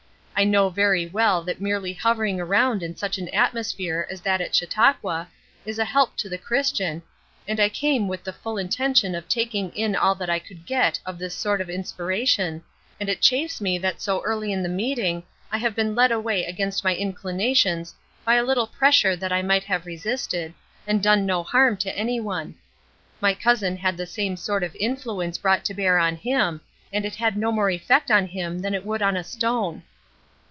I know very well that merely hovering around in such an atmosphere as that at Chautauqua is a help to the Christian, and I came with the full intention of taking in all that I could get of this sort of inspiration, and it chafes me that so early in the meeting I have been led away against my inclinations by a little pressure that I might have resisted, and done no harm to any one. My cousin had the same sort of influence brought to bear on him, and it had no more effect on him than it would on a stone."